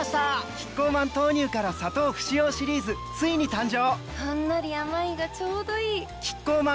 キッコーマン豆乳から砂糖不使用シリーズついに誕生！